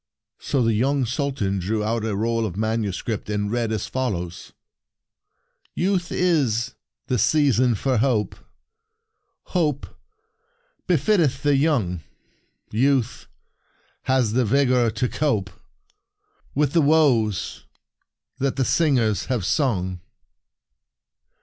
So the young Sultan drew out a roll of manuscript, and read as follows : Who Could Refuse ?*' Youth is the season for hope ; Hope befitteth the young. Youth has the vigor to cope With the woes that the singers have sung.